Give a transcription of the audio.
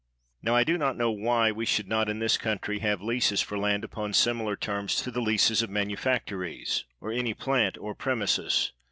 Now, I do not know why we should not in this country have leases for land upon similar terms to the leases of manufactories, or any "plant" or premises.